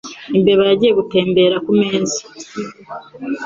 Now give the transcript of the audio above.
Imbeba yagiye gutembera kumeza.